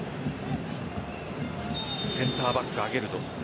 センターバックアゲルド。